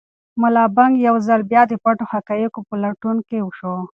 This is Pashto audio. ملا بانګ یو ځل بیا د پټو حقایقو په لټون کې شو.